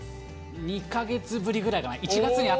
２か月ぶりぐらいかな？